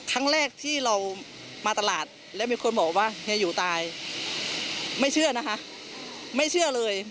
ครั้งแรกที่เรามาตลาดแล้วมีคนบอกว่าเฮียหยูตายไม่เชื่อนะคะไม่เชื่อเลย